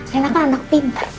karena kan anak pintar